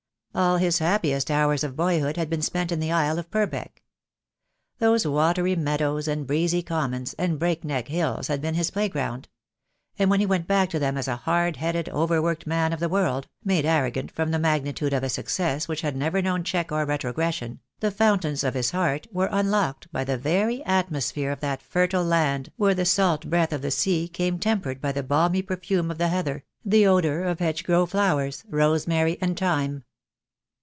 All his happiest hours of boyhood had been spent in the Isle of Purbeck. Those watery meadows and breezy commons and break neck hills had been his playground; and when he went back to them as a hard headed, over worked man of the world, made arrogant from the magnitude of a success which had never known check or retrogression, the fountains of his heart were unlocked by the very atmosphere of that fertile land where the salt breath of the sea came tempered by the balmy perfume of the heather, the odour of hedgerow flowers, rosemary, and thyme.